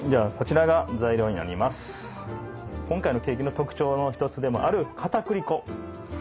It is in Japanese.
今回のケーキの特徴の一つでもあるかたくり粉。